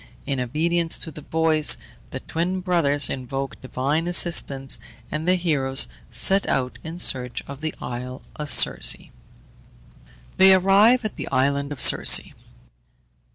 In obedience to the voice, the twin brothers invoked divine assistance, and the heroes set out in search of the isle of Circe. THEY ARRIVE AT THE ISLAND OF CIRCE.